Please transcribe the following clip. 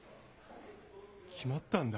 決まったんだ。